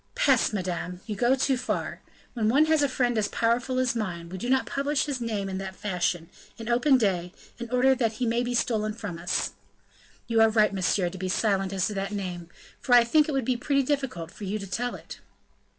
"Peste! madame, you go too far! When one has a friend as powerful as mine, we do not publish his name in that fashion, in open day, in order that he may be stolen from us." "You are right, monsieur, to be silent as to that name; for I think it would be pretty difficult for you to tell it."